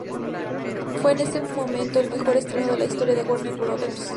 Fue en ese momento el mejor estreno en la historia de Warner Brothers.